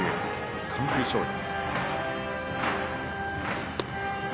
完封勝利。